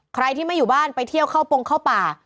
ใครที่ไม่อยู่บ้านไปเที่ยวเข้าปงเข้าป่า